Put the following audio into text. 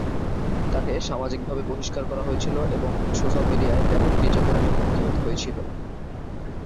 তাকে সামাজিকভাবে বহিষ্কার করা হয়েছিল এবং সোশ্যাল মিডিয়ায় ব্যাপক নির্যাতনের মুখোমুখি হতে হয়েছিল।